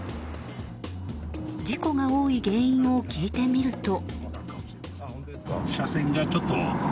事故が多い原因を聞いてみると。